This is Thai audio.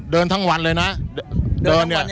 เดินทั้งวันยังไง